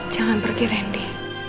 jangan pergi randy